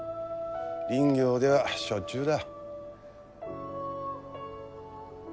林業ではしょっちゅうだ。